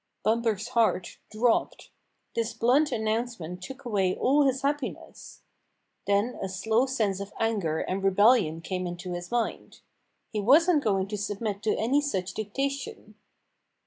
" Bumper's heart dropped. This blunt an nouncement took away all his happiness. Then a slow sense of anger and rebellion came into his mind. He wasn't going to submit to any such dictation.